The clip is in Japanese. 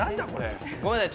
ごめんなさい。